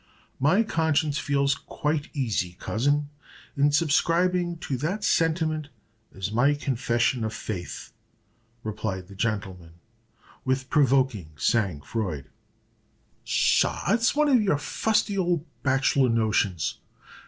"My conscience feels quite easy, cousin, in subscribing to that sentiment as my confession of faith," replied the gentleman, with provoking sang froid. "Pshaw! it's one of your fusty old bachelor notions.